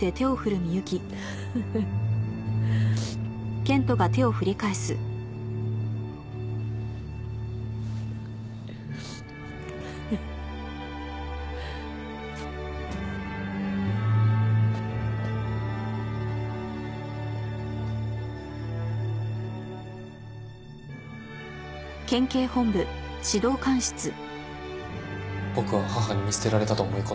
僕は母に見捨てられたと思い込んでました。